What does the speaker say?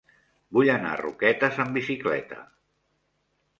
Vull anar a Roquetes amb bicicleta.